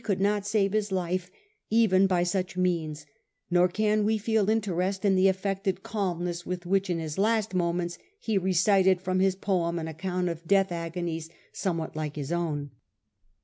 could not save his life even by such means, nor can we feel interest in the affected calmness with which, in his last moments, he recited from his poem an account of death agonies somewhat like his own.